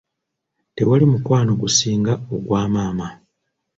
Tewali mukwano gusinga ogwa maama.